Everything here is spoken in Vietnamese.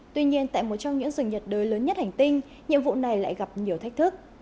tuy nhiên tại một trong những rừng nhiệt đới lớn nhất hành tinh nhiệm vụ này lại gặp nhiều thách thức